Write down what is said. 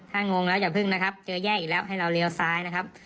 ถ้างงแล้วอย่าพึ่งนะครับเจอแยกอีกแล้วให้เราเลี้ยวซ้ายนะครับ